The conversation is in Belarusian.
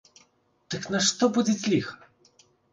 Дык нашто будзіць ліха?